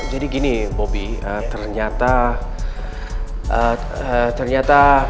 jadi gini bobby ternyata